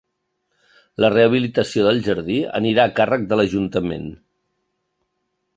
La rehabilitació del jardí anirà a càrrec de l'Ajuntament.